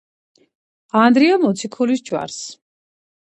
ანდრია მოციქულის ჯვარს.